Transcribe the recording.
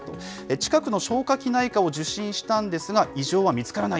近くの消化器内科を受診したんですが、異常は見つからない。